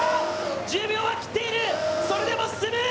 １０秒は切っている、それでも進む！